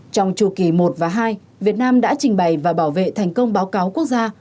trong chủ kỳ i và ii việt nam đã trình bày và bảo vệ thành công báo cáo quốc gia